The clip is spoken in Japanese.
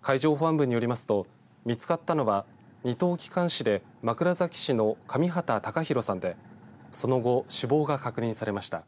海上保安部によりますと見つかったのは２等機関士で枕崎市の上畠隆寛さんでその後、死亡が確認されました。